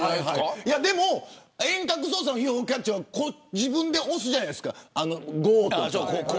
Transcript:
でも、遠隔操作のＵＦＯキャッチャーは自分で押すじゃないですか。